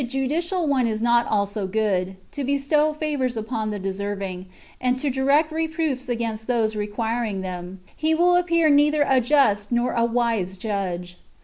judicial one is not also good, to bestow favours upon the deserving, and to direct reproofs against those requiring them, he will appear neither a just nor a wise judge.